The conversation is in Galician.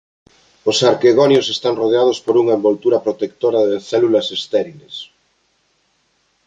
Os arquegonios están rodeados por unha envoltura protectora de células estériles.